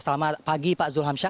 selamat pagi pak zul hamsyah